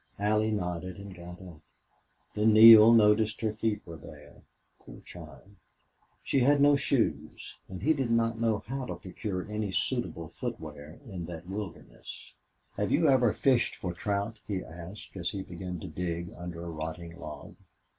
Allie nodded and got up. Then Neale noticed her feet were bare. Poor child! She had no shoes and he did not know how to procure any suitable footwear in that wilderness. "Have you ever fished for trout?" he asked, as he began to dig under a rotting log.